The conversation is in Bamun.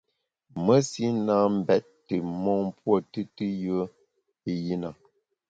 Mesi na mbèt tù mon mpuo tùtù yùe i yi na.